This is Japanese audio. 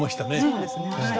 そうですね。